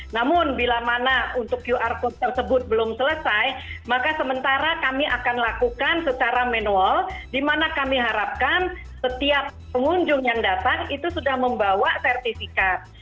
namun bila mana untuk qr code tersebut belum selesai maka sementara kami akan lakukan secara manual di mana kami harapkan setiap pengunjung yang datang itu sudah membawa sertifikat